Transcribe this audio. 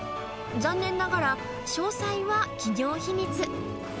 残念ながら、詳細は企業秘密。